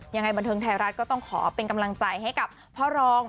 ยังไงบันเทิงไทยรัฐก็ต้องขอเป็นกำลังใจให้กับพ่อรอง